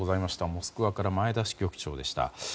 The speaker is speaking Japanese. モスクワから前田支局長でした。